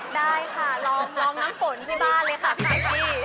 ได้ค่ะลองน้ำฝนที่บ้านเลยค่ะพี่